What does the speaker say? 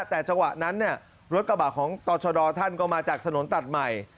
แต่จังหวะนั้นรถกระบะของต่อชะดอท่านก็มาจากถนนตัดใหม่